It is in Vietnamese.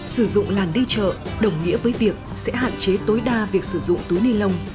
sử dụng làn đi chợ đồng nghĩa với việc sẽ hạn chế tối đa việc sử dụng túi ni lông